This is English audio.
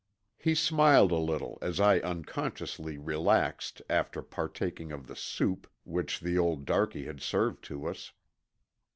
He smiled a little as I unconsciously relaxed after partaking of the soup which the old darky had served to us.